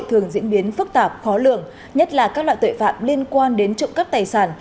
thường diễn biến phức tạp khó lượng nhất là các loại tội phạm liên quan đến trụng cấp tài sản